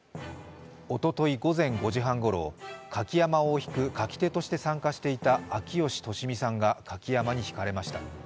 おととい午前５時半ごろ、舁き山笠をひく舁き手として参加していた秋吉敏美さんが舁き山笠にひかれました。